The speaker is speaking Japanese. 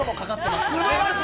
◆すばらしい。